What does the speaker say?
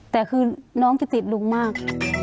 แต่คือน้องจะติดลุงมาก